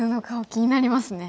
気になりますね。